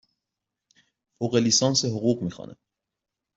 فوق لیسانس حقوق می خوانم.